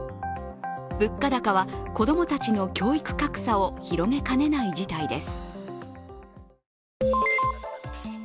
物価高は子供たちの教育格差を広げかねない事態です。